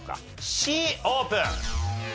Ｃオープン！